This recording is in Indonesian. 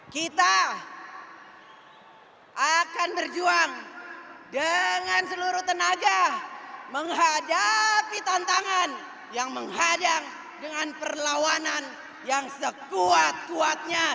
kita akan berjuang dengan seluruh tenaga menghadapi tantangan yang menghadang dengan perlawanan yang sekuat kuatnya